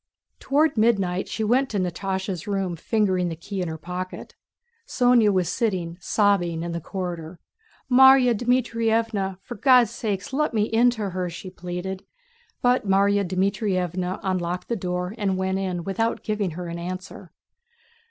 Toward midnight she went to Natásha's room fingering the key in her pocket. Sónya was sitting sobbing in the corridor. "Márya Dmítrievna, for God's sake let me in to her!" she pleaded, but Márya Dmítrievna unlocked the door and went in without giving her an answer....